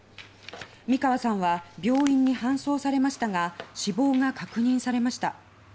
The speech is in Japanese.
三川さんは病院に搬送されましたが死亡が確認されました。